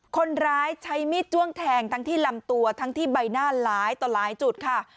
คนร้ายใช้มีดจ้วงแทงทั้งที่ลำตัวทั้งที่ใบหน้าหลายต่อหลายจุดค่ะ